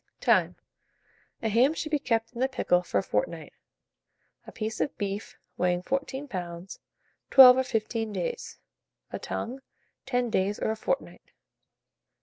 Time. A ham should be kept in the pickle for a fortnight; a piece of beef weighing 14 lbs., 12 or 15 days; a tongue, 10 days or a fortnight.